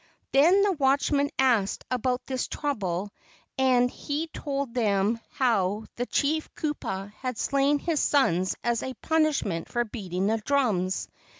Then the watchmen asked about his trouble and he told them how the chief Kupa had slain his sons as a punishment for beating the drums.